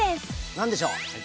何でしょう？